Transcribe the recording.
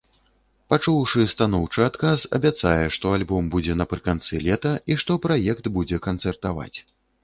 Пачуўшы станоўчы адказ, абяцае, што альбом будзе напрыканцы лета, і што праект будзе канцэртаваць.